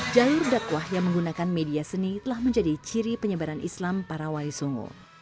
jalur dakwah yang menggunakan media seni telah menjadi ciri penyebaran islam para wai songo